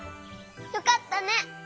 よかったね！